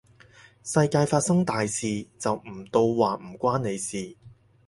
世界發生大事，就唔到話唔關你事